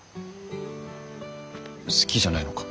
好きじゃないのか？